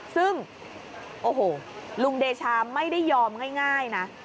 ซึ่งโอ้โหลุงเดชาไม่ได้ยอมง่ายนะ